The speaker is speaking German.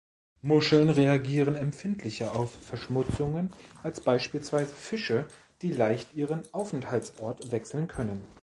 Muscheln reagieren empfindlicher auf Verschmutzungen als beispielsweise Fische, die leicht ihren Aufenthaltsort wechseln können.